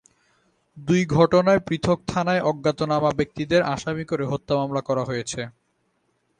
দুই ঘটনায় পৃথক থানায় অজ্ঞাতনামা ব্যক্তিদের আসামি করে হত্যা মামলা করা হয়েছে।